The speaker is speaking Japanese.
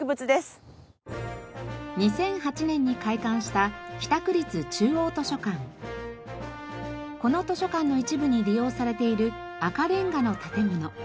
２００８年に開館したこの図書館の一部に利用されている赤レンガの建物。